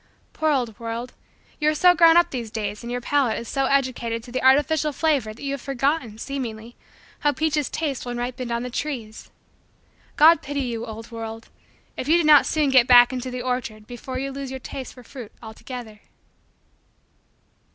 Poor old world, you are so "grown up" these days and your palate is so educated to the artificial flavor that you have forgotten, seemingly, how peaches taste when ripened on the trees. God pity you, old world, if you do not soon get back into the orchard before you lose your taste for fruit altogether.